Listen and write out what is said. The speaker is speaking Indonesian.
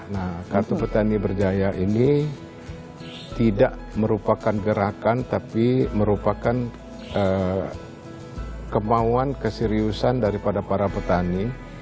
nah kartu petani berjaya ini tidak merupakan gerakan tapi merupakan kemauan keseriusan daripada para petani